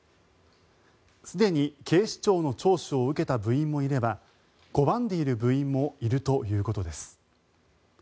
すでに警視庁の聴取を受けた部員もいれば拒んでいる部員もいるということです。